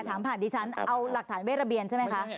ถามผ่านดิฉันเอาหลักฐานเวทระเบียนใช่ไหมคะ